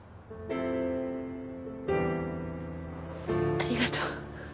ありがとう。